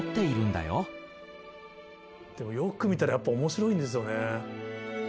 でもよく見たらやっぱ面白いんですよね。